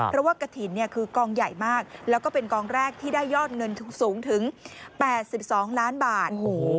เพราะว่ากระถิ่นคือกองใหญ่มากแล้วก็เป็นกองแรกที่ได้ยอดเงินสูงถึง๘๒ล้านบาท